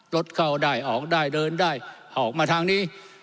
รถเข้าได้ออกได้เดินได้ออกมาทางนี้